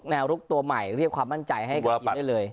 ลุกตัวใหม่เรียกความมั่นใจให้กับทีมได้เลย